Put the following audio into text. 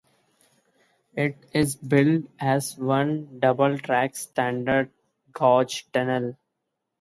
It is built as one double-track, standard gauge tunnel.